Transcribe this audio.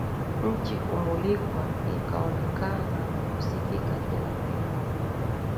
nchi humulikwa ikaonekana na kusikika kila pembe